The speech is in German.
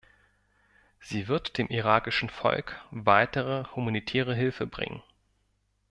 Sie wird dem irakischen Volk weitere humanitäre Hilfe bringen.